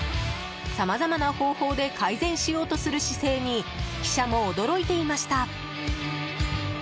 さまざまな方法で改善しようとする姿勢に記者も驚いていました。